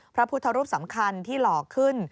พระพุทธรูปสำคัญที่หล่อขึ้น